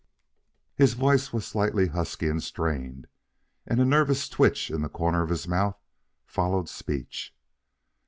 His voice was slightly husky and strained, and a nervous twitch in the corner of his mouth followed speech.